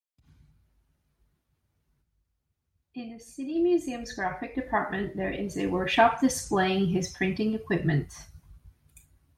In the city museum's graphic department there is a workshop displaying his printing equipment.